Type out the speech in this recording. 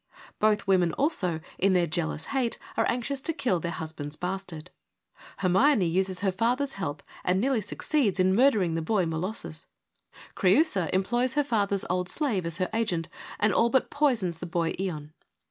Both women, also, in their jealous hate are anxious to kill their husband's bastard. Hermione uses her father's help and nearly succeeds in murder ing the boy Molossus. Creiisa employs her father's old slave as her agent, and all but poisons the boy Ion.